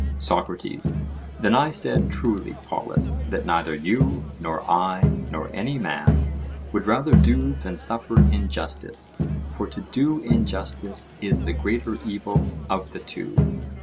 SOCRATES: Then I said truly, Polus, that neither you, nor I, nor any man, would rather do than suffer injustice; for to do injustice is the greater evil of the two.